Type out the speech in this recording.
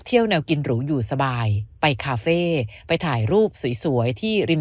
แนวกินหรูอยู่สบายไปคาเฟ่ไปถ่ายรูปสวยที่ริม